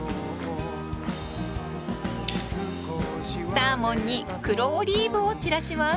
サーモンに黒オリーブを散らします。